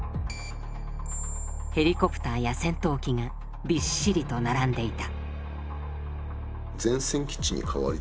ヘリコプターや戦闘機がびっしりと並んでいた。